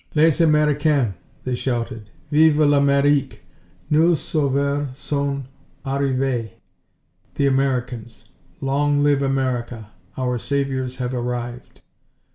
"Les Americains!" they shouted. "Vive l' Amerique! Nous sauveurs sont arrivee!" (The Americans! Long live America! Our saviors have arrived.)